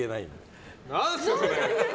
何すか、それ。